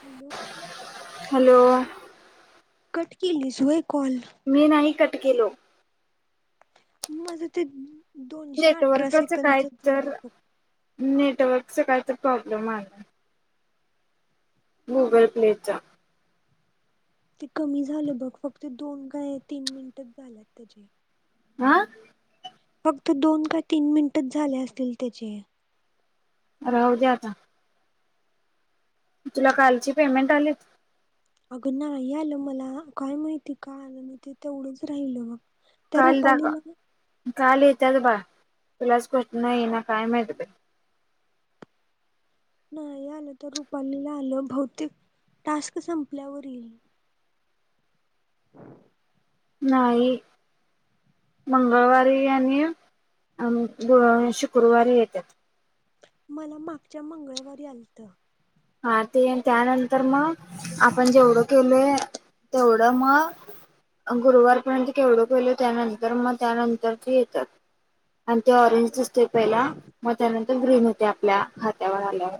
Hello hello cut केलीस व्हय? मी नाही कट केलो. माझं ते दोनशे अठरा नेटवर्कच काय कंदचच तर झालंय फ नेटवर्कच काही तर प्रॉब्लेम आहे ना हा गूगल प्लेचा ते कमी झालं बघ फक्त दोन काय तीन मिनिटच झालंत त्याचे. आं फक्त दोन का तीन मिनिटच झाले असतील त्याचे राहू द्या आता. तुला कालचे पेमेंट आलेत? अगं नाही आलं मला काय माहिती का आलं ते तेवढंच राहिल बघ. त्या काल रुपालीला [unintelligible] दाखव काल येतात बा तुलाच काय नाही ना काय माहित बाई. नाही आलं तर रुपालीला आलं भौतिक टास्क संपल्यावर येईल. हम [inaudible] नाहीय. मंगळवारी आणि अ [unintelligible] गु शुक्रवारी येतात मला मागच्या मंगळवारी यालत हा ते त्यानंतर मग आपण जेवढं केलं तेवढा म गुरुवारपर्यंत केवढू पेल त्यानंतर मग त्यानंतर ते येतात आणि ते ऑरेंज दिसते पहिला मग त्यानंतर ग्रीन होते आपल्या खात्यावर आल्यावर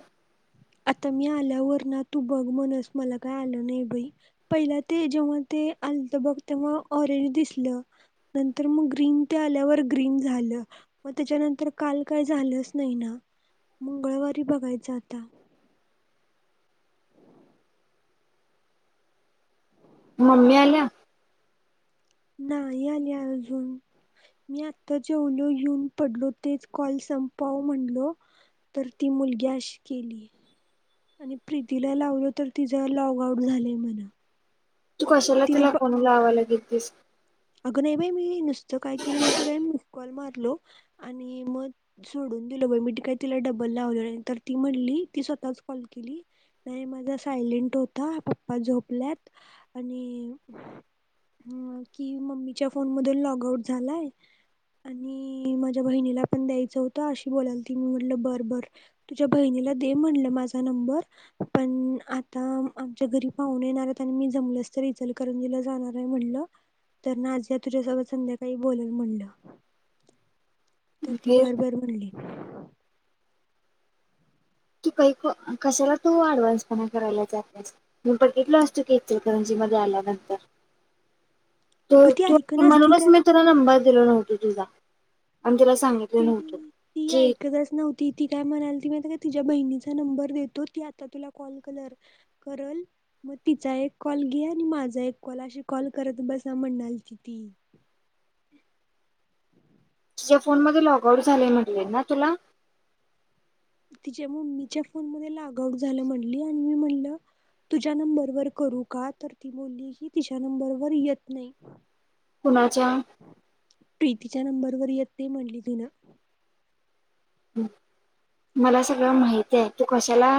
आता मी आल्या वरणा तू बघ म्हणस मला काय आलं नाही बाई पहिला ते जेव्हा ते आलं तर बघ ते म ऑरेंज दिसलं नंतर मग ग्रीन ते आल्यावर ग्रीन झालं मग त्याच्यानंतर काल काही झालंच नाही ना मंगळवारी बघायं आता ममीमी आल्या नाही आली अजून मी आत्ता जेवलो येऊन पडलो तेच कॉल संपाव म्हणलो तर ती मुलगीशी केली आणि प्रीतीला लावल तर तिचां लॉग आउट झालंय म्हणा तू कशाला तिला फोन लावायला गेलतीस. अगं नाही बाई मी नुसतं काय केलं माहितीय काय मग. कॉल मारलो आणि मग सोडून दिल मी काय तिला डबल लावलं तर ती म्हटली. ती स्वतःच कॉल केली. नाही माझा सायलेंट होता पप्पा झोपल्यात आणि ह कि मम्मीच्या फोन मधून लॉग आउट झालाय. आणि माझ्या बहिणीला पण द्यायचं होतं अशी बोलाल ती मी म्हटलं बर बर तुझ्या बहिणी दे म्हल माजा नंबर पण आता आमच्या घरी पाहूने येनार आहेत आणी मी जमल तर त इचल करंजला जाणार आहे म्हणलं. तर ना आज या तुझ्यासोबत संध्याकाळी बोलाल म्हणलं तर ती फिर बर बर म्हणली. तू काही कशाला तू आडवान्स पणा करायला जत्यास मी भगितलो आसतो इचलकरंजी मध्ये आल्या नंतर [inaudible] त अगं ती तू ऐकनाच ती म्हणूनच काय मी तुला नंबर दिलो नव्हतो तुझा आणि तिला सांगितलं ती नव्हतं ती की ऐकतच नव्हती ती काय म्हणाल ती माहितेका तिच्या बहिनीचा नंबर देतो ती आता तुला कॉल करेल मग तिचा एक कॉल घे आणि माझा एक कॉल अशी कॉल करत बसा म्हणाल की ती. [inaudible] माझ्या फोन मधून लॉग आऊट झाला असं म्हटली होती ना ती तुला तिच्या मम्मीच्या फोन मध्ये लॉग आऊट झालं म्हणली आणि मी म्हणलं तुझ्या नंबरवरर करू का तर ती बोलली मुली ह तिच्या्या नंबरवर येत नाही. कुणाच्या तिच्या नंबरवरर येत नाही म्हणली तिनं. मला सगळं माहित आहे तू कशाला.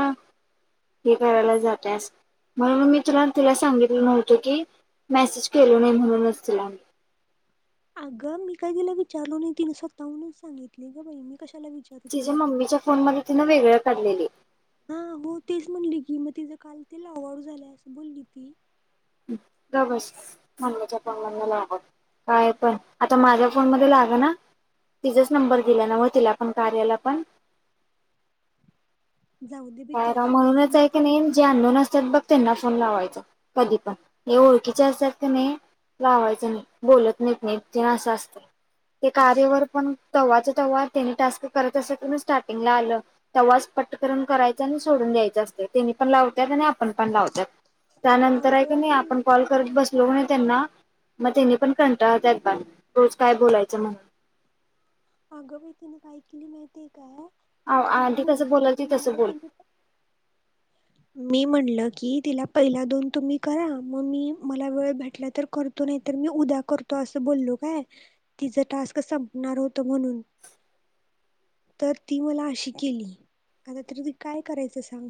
हे करायला जात्यास म्हणून मी. तुला का तुला सांगितलं नव्हतं की मेसेज केल नाही म्हणूनच तुला. अगं मी काही तिला विचारलो नाही तिन स्वतःहूनच सांगितले ग बाई मी कशाला विचारू तिला तिच्या मम्मीच्या फोन मध्ये तिनं वेगळं काढलेली. हा हो तेच म्हणली की मग तिचां काल तिलावाडू झालंय असं बोलली ती बघ चांगल्याच्या पंगना ला काय पण आता माझ्या फोन मध्ये लाग ना. तिचाच नंबर गेला ना म तिला पण कार्याला पण [inaudible] बाई ती हरा अशी बोलली म्हणूनच मी आहे की तर नाही जे आंधन असतात बघ त्यांना फोन लावायचा कधी पण हे ओळखीचे असतात का नाही. लावायचं नाही बोलत नाहीत नाही ना असं असतं ते कार्यवर पण तवाचं तवा त्यानी टास्क करत असत कनी स्टार्टिंगला आलं तवाच पट करून करायचं आणि सोडून द्यायचं असतंय त्यांनी पण लावत्यात आणि आपण पण लावत्यात. त्यानंतर आहे कि अगं नाही बाई आपण कॉल करत बसलो कि नाही त्यांना. मग तिने पण कंटाळा केलता रोज काय बोलायचं म्हणून अगं बाई तिने काय केली माहिती आहे काय. ती आधी कसं मुलगी बोलाल मी ती तसं म्हणलं बोल तुम्ही मी म्हणलं. कि तिला पहिला दोन तुम्ही करा मग मी मला वेळ भेटला तर करतो नाही तर मी उद्या करतो. असं बोललो काय तिचा टास्क संपणार होत म्हणून. तर ती मला अशी केली आता तरी ति काय करायचं सांग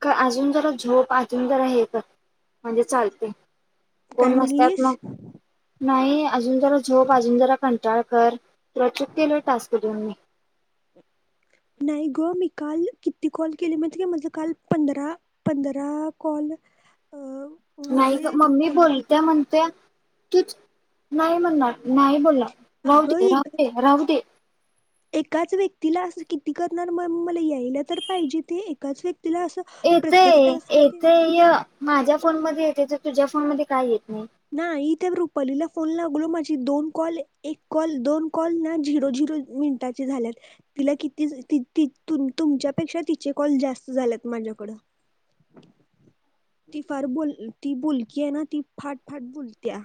का अजून जरा झोप अजून जरा हे कर म्हणजे चालतंय. काय कोण नसतात म्हणलीस मग. नाही अजून जरा झोप, अजून जरा कंटाळा कर तुला चूक केलोय टास्क देऊन मी [inaudible] नाही गं मी काल किती कॉल केले माहिती आहे काय माझे काल पंधरा पंधरा कॉल. अं. नाही गं मम्मी बोलत्या म्हणत्या तूच. नाही म्हणणार नाही बोलणार अगं राहूदे राहूदे एकाच राहूदे. एकाच व्यक्तीला असं किती करणार म मला यायला तर पाहिजे ते एकाच व्यक्ती. येतय, येतंय. माझ्या फोन मध्ये येतंय तर तुझ्या फोन मध्ये का येत. नाही इथे ग्रुप. पहिलीला फोन लागलो माझी दोन कॉल एक कॉल दोन कॉल ना झिरो झिरो मिनिटाचे झालेत. तिला किती ति ति तुम तुमच्यापेक्षा तिचे कॉल जास्त झाले आहेत माझ्याकड ती फार बुल ती बोलकी आहे ना ती. फाट फाट बोलत्या.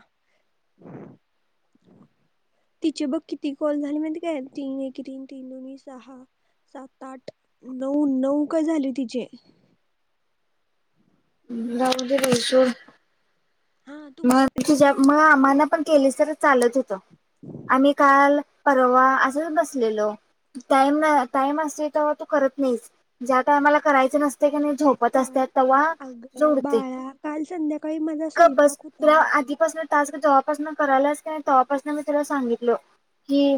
तिचे बघ किती कॉल झाले माहिती आहे काय तीन एके तीन तीन दोनी सहा. सात आठ नऊ नऊ कॉल झाले तिचे. हम्म, राहूदे बाई सोड. हा मग तुमच्यापेक्षा तुझ्या जास्त म झालेत. आम्हाना पण केलीसं तर चालत होत आम्ही काल परवा असचं बसलेलो टाइम नाही टाइम असतोय तेव्हा तू करत नाहीस ज्या टाइमा मला करायचं नसतंय कनी झोपत काल असत्या तवा अग जोडते बाळा काल संध्याकाळी माझा गप्प बस स्वयंपाक तू होता आधीपासन टास्क जव्हापासन कराल्यास कि नाही तवापासन मी तुला सांगितलो की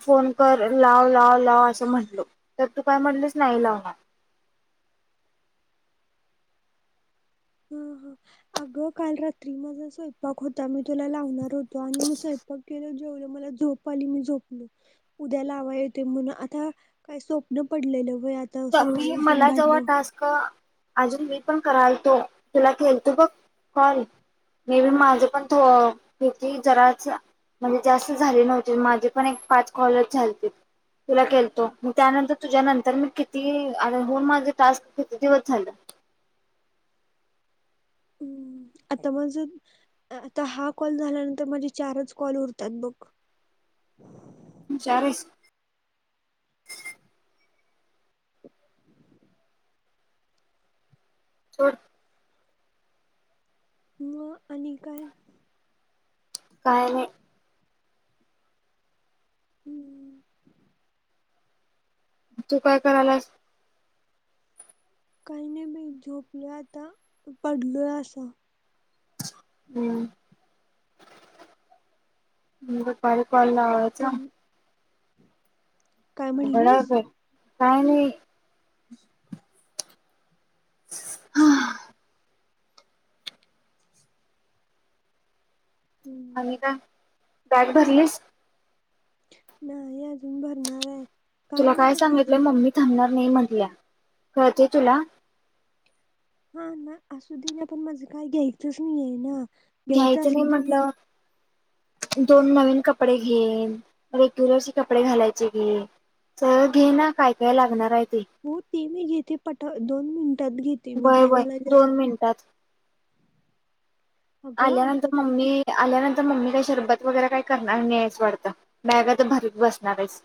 फोन कर लाव लाव लाव असं म्हटलो तर तू काय म्हंटलीस नाही लावणार [inaudible] हं हं अगं काल रात्री माझा स्वयंपाक होता मी तुला लावणार होत तो आणि म स्वयपाक केल्यावर झो जेवले म मला झोप आली मी झोपलो उद्या लावाय येतंय म्हणून आता काय स्वप्न पडलेलं वय आता सकाळी मी उठून मला जवा भांडणं टास्क अजून पण करालतो तुला केलतो बघ कॉल मे बी माझं पण थो कती जराचं म्हणजे जास्त झाले नव्हते माझे पण एक पाच कॉलचं झालते तुला केलतो मी त्यानंतर तुझ्या नंतर मी कि ती आता होऊन माझे टास्क किती दिवस झालं हम्म आता माझे अ आता हा कॉल झाल्यानंतर माझे चारचं कॉल उरतात बघ [inaudible] हुशार आहेस सोड मग आणि काय काय नाही हम्म. तु काय करायलास? काही नाही मी झोपले आता पडलो असं हम्म पणचा मग काय म्हणलीस? का नाही हा. हम्म आमिना बॅग भरलीस? नाही अजून भरणार आहे. तुला काय माझं घ्यायचं सांगितलं नाही. मम्मी थांबणार नाही म्हटल्या कळते तुला? हा ना असु दे ना पण माझ काही घ्यायचंच नाही ना घ्यायचं नाही असलं तर म्हटल्यावर दोन नवीन कपडे घे, रेग्युलरचे कपडे घालायचे घे तर घे ना काय काय लागणार हाय. हो ते मी घेते पटा दोन मिनिटात घेते मी वय ते वय मला जास्त दोन मिनिटात अगं आता आल्यानंतर मम्मी आल्यानंतर मम्मी कशी शरबत वगैरे काही करणार नाहीएस वाटतं, बॅगाच भरीत बसणार आहेस.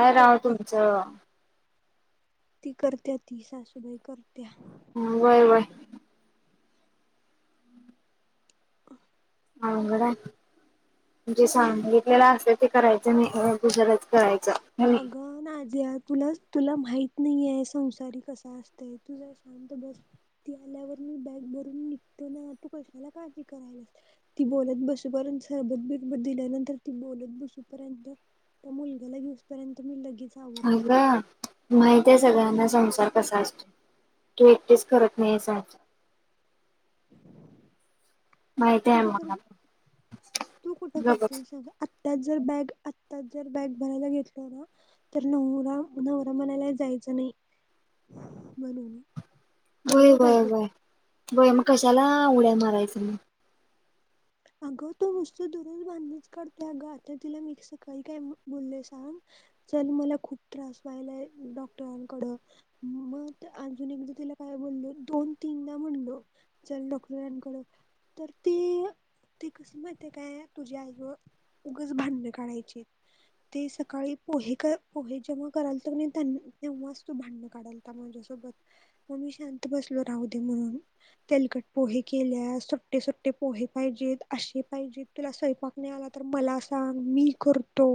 ती राव करत्या तुमचं ती करत्या ती सासूबाई करत्या व्हय व्हय [inaudible] अवघड हाय. जे सांगितल्याल असतंय ते करायचं नाही दुसरच करायचं. नाही अगं नाजीयाज! तुला तुला माहित नाहीये संसारी हा कसा असतोय तु जरा शांत बस ती आल्यावर मी बॅग भरून निघते ना तु कशाला काळजी करायल्यास ती बोलत बसेपर्यंत सरबत बिर बत दिल्यानंतर ती बोलत बसूपर्यंत त्या मुलगाला घेऊसपर्यंत मी लगेच अग आवरतोय माहित आहे सगळ्यांना संसार कसा असतो? तु एकटीस करत नाही ए संसार माहिती तु आहे तर मला पण तु कुठं करते गबस. सोड आत त्यात जर बॅग आताच जर बॅग भरायला घेतला ना तर नवरा नवरा म्हणायला जायचा जायचं नाही म्हणून व्हय कळलं काय व्हय तुला व्हय बाई मग कशाला उड्या मारायचं मग अगं तो नुसतं दररोज भाडणंच काढतोय अगं आता तिला मी सकाळी काय बोलले सांग? चल मला खूप त्रास व्हालाय, डॉक्टरांकड मग अजून एकदा तिला काय बोललो दोन, तीनदा म्हणलो, चल डॉक्टरांकड तर ते अ ते कसं माहितए काय तुझ्या आईवर उगच भांडण काढायची ते सकाळी पोहे पोहे जेव्हा करायलो तो कि नाही तेव्हाच तो भांडण काढायलता माझ्यासोबत मग मी शांत बसलो राहू दे म्हणून तेलकट पोहे केल्यास सुट्टे सुट्टे ते पोहे पाहिजेत असशी पाहिजे तुला स्वयंपाक नाही, आला तर मला सांग मी करतो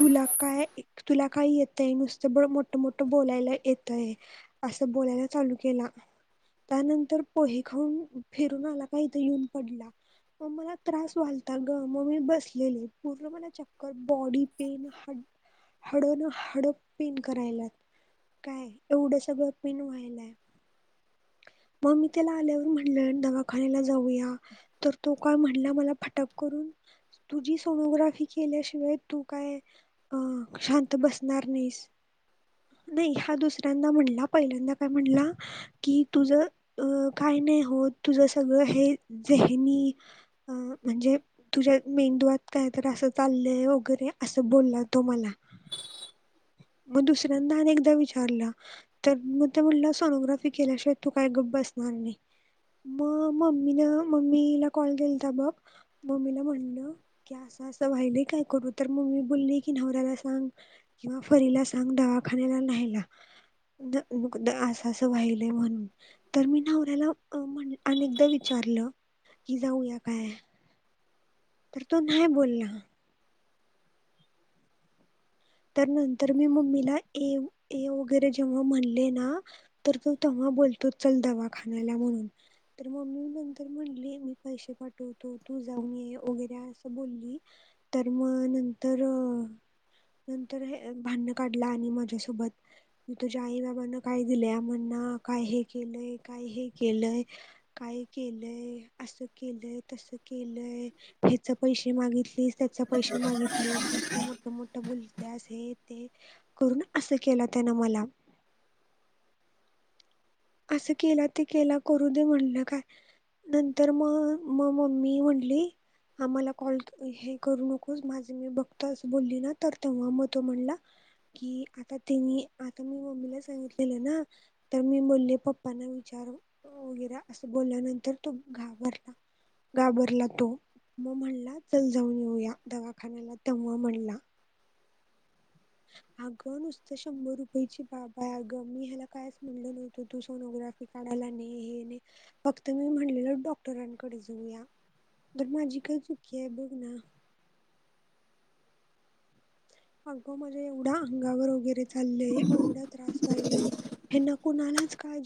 तुला काय तुला काय येतय नुसतं ब मोठ मोठं बोलायला येतय असं बोलायला चालू केला त्यानंतर पोहे खाऊन फिरून आला काय? इथ येऊन पडला मग मला त्रास व्हायलता ग मग मी बसलेले पूर्ण मला चक्कर बॉडी पेन ह हाडं न हाडं पेन करायल्यात काय एवढं सगळं पेन व्हायलाय मग मी त्याला आल्यावर म्हटलं दवाखान्याला जाऊया तर तो काय म्हणला मला फटाक करून तुझी सोनोग्राफी केल्याशिवाय तू काय अं शांत बसणार नाहीस. नाही हा दुसऱ्यांदा म्हणला पहिल्यांदा काय म्हणला की तुझ अ काय नाही होत तुझं सगळं हे जे हिनी अ म्हणजे तुझ्या मेंदवात काय तर असं चाललंय, वगैरे असं बोल्ला तो. मला. मग दुसऱ्यांदा अनेकदा विचारला तर मग ते म्हटलं, सोनोग्राफी केल्याशिवाय तू काय गप बस नार नाही म ममी न ममीला कॉल केेलता बघ मम्मीला म्हणल, की असं असं व्हायलय काय करू तर मम्मी बोलली की नवऱ्याला सांग किंवा फरीला सांग दवाखान्याला न्ह्यायला. असं असं वाहिलंय म्हणून, तर मी नवऱ्याला म्हणल अनेकदा विचारल. विचारलं कि जाऊया काय? तर तो नाह्य बोलला. तर नंतर मी मम्मीला ए ए वगैरे जेव्हा म्हणले, ना तर तो तेव्हा बोलतो चल दवाखान्याला म्हणून, तर मम्मी नंतर म्हंनली मी पैसे पाठवतो. तू जाऊन ये वगैरे असं बोलली तर मग नंतर अ नंतर हे भांडणं काढला आणि माझ्यासोबत, मी तुझ्या आई बाबान काय दिलंय म्हणा काय हे केलंय काय हे केलंय काय केलंय असं केलंय तसं केलं य ह्याचा पैसे मागितलीस, त्याचा पैसे मागितलीस नुसतं मोठ मोठं बोल त्यास हे ते, करून असं केलं त्यानं मला. असं केला ते केला करू दे म्हणलं काय. नंतर म मग मम्मी म्हणली आम्हाला कॉल हे करू नकोस माझी मी बघतो असं बोलली ना तर तेव्हा मग तो म्हणला कि आता त्यांनी, आता मी मम्मीला सांगितलेलं ना, तर मी बोलली पप्पांना विचार वगैरा असं बोलल्यानंतर तो घाबरला. घाबरला तो. मग म्हणला चल जाऊन येऊया दवाखान्याला, तेव्हा म्हणला. [unintelligible] अगं नुसतं शंभर रुपयेची बाब हाय अगं मी ह्याला कायच म्हणलं नव्हतं तू सोनोग्राफी काढा याला नाही हे नाही, फक्त मी म्हणलेलं डॉक्टरांकडे जाऊया. तर माझी काय चुकी आहे बघ ना? अगं म्हजे एवढा अंगावर वगैरे चाललंय एवढा त्रास व्हायलाय. ह्यांना कुणालाच काळजी